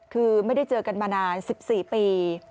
คือไม่ได้เจอกันมานาน๑๔ปี